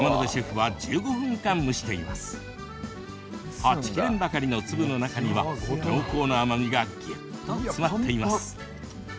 はち切れんばかりの粒の中には濃厚な甘みがぎゅっと詰まっています。